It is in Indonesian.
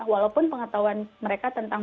walaupun pengetahuan mereka tentang